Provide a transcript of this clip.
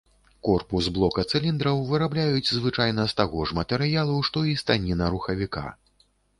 Корпус блока цыліндраў вырабляюць звычайна з таго ж матэрыялу, што і станіна рухавіка.